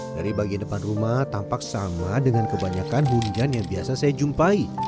dari bagian depan rumah tampak sama dengan kebanyakan hujan yang biasa saya jumpai